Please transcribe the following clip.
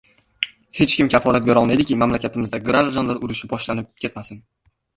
Hech kim kafolat berolmaydiki, mamlakatimizda grajdanlar urushi boshlanib ketmasin.